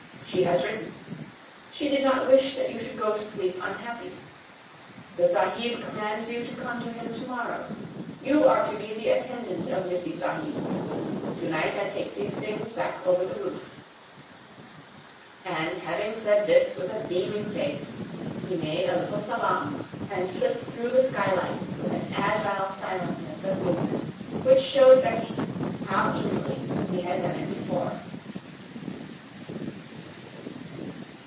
She has written. She did not wish that you should go to sleep unhappy. The sahib commands you to come to him tomorrow. You are to be the attendant of missee sahib. Tonight I take these things back over the roof." And having said this with a beaming face, he made a little salaam and slipped through the skylight with an agile silentness of movement which showed Becky how easily he had done it before.